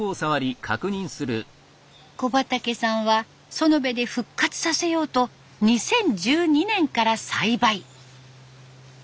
小畠さんは園部で復活させようと２０１２年から栽培。